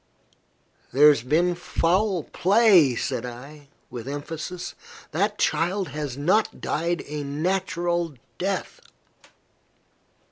"There has been foul play," said I, with emphasis. "That child has not died a natural death."